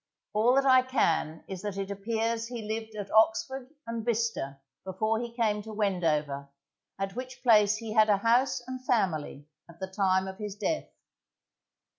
All that I can is that it appears he lived at Oxford and Bicester before he came to Wendover, at which place he had a house and family at the time of his death.